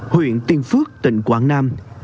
huyện tiên phước tỉnh quảng nam